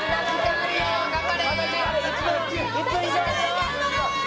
頑張れ！